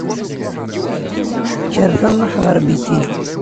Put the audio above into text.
Kkret ad nṛuḥ ɣer Bitil.